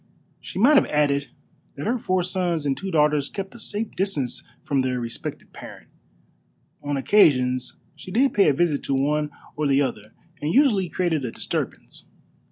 She might have added that her four sons and two daughters kept at a safe distance from their respected parent. On occasions she did pay a visit to one or the other, and usually created a disturbance.